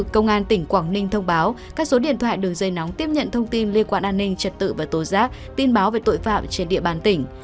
công an tỉnh quảng ninh thông báo các số điện thoại đường dây nóng tiếp nhận thông tin liên quan an ninh trật tự và tố giác tin báo về tội phạm trên địa bàn tỉnh